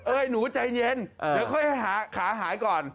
หนูใจเย็นเดี๋ยวค่อยขาหายก่อน